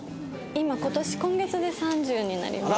今年今月で３０になります。